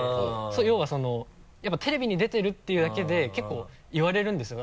要はやっぱテレビに出てるっていうだけで結構言われるんですよ